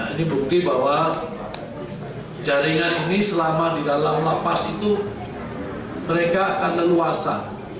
ini bukti bahwa jaringan ini selama di dalam lapas itu mereka akan leluasa